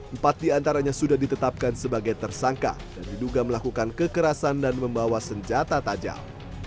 empat diantaranya sudah ditetapkan sebagai tersangka dan diduga melakukan kekerasan dan membawa senjata tajam